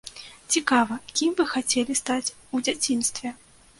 Цікава, кім вы хацелі стаць у дзяцінстве?